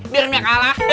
biar dia kalah